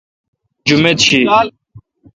جمیت شی۔